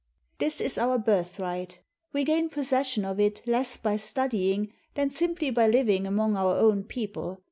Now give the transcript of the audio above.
This is our birthright. We gain possession of it less by studying than simply by living among our own people.